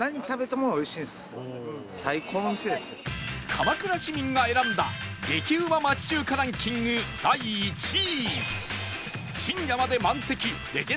鎌倉市民が選んだ激うま町中華ランキング第１位